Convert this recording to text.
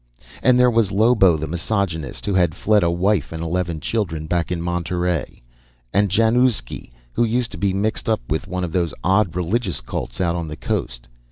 And there was Lobo, the misogynist, who had fled a wife and eleven children back in Monterey; and Januzki, who used to be mixed up with one of those odd religious cults out on the Coast.